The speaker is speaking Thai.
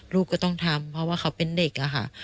ลูกก็ต้องทำเพราะว่าเขาเป็นเด็กอะค่ะ